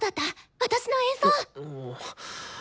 私の演奏！